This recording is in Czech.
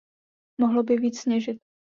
Mohlo by víc sněžit.